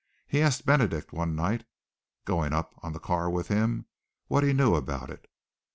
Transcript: He asked Benedict one night, going up on the car with him, what he knew about it.